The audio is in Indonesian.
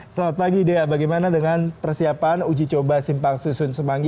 selamat pagi dea bagaimana dengan persiapan uji coba simpang susun semanggi